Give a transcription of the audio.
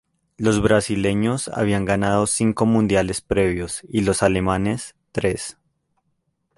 Los brasileños habían ganado cinco mundiales previos, y los alemanes, tres.